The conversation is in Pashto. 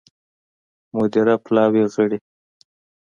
مدیره پلاوي غړي